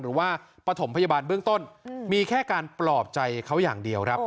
หรือว่าประถมพยาบาลเบื้องต้นอืมมีแค่การปลอบใจเขาอย่างเดียวครับ